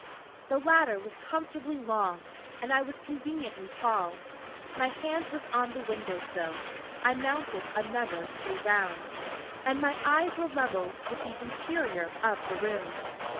The ladder was comfortably long, and I was conveniently tall; my hand was on the window sill I mounted another two rounds and my eyes were level with the interior of the room.